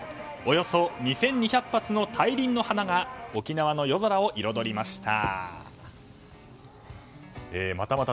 およそ２２００発の大輪の花が沖縄の夜空を彩りました。